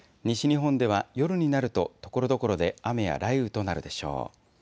西日本では夜になると、ところどころで雨や雷雨となるでしょう。